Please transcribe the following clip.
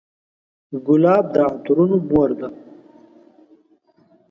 ګلاب د عطرونو مور ده.